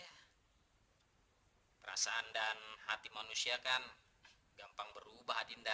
hai perasaan dan hati manusia kan gampang berubah dinda